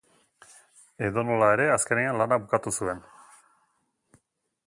Edonola ere, azkenean lana bukatu zuen.